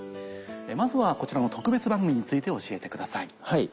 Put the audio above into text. まずはこちらの特別番組について教えてください。